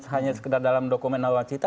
hanya sekedar dalam dokumen nawacita